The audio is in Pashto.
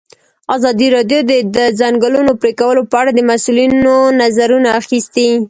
ازادي راډیو د د ځنګلونو پرېکول په اړه د مسؤلینو نظرونه اخیستي.